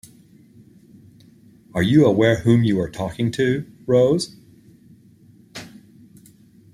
Are you aware whom you are talking to, Rose?